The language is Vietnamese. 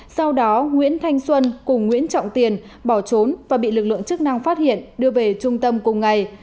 sau đó nguyễn thanh xuân cùng nguyễn trọng tiền bỏ trốn và bị lực lượng chức năng phát hiện đưa về trung tâm cùng ngày